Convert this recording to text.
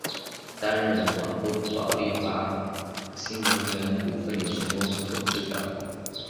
担任广东宝丽华新能源股份有限公司董事长。